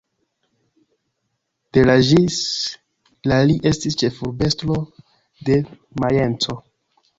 De la ĝis la li estis ĉefurbestro de Majenco.